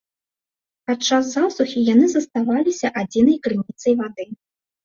Падчас засухі яны заставаліся адзінай крыніцай вады.